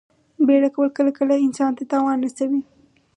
بیړه کول کله کله انسان ته تاوان رسوي.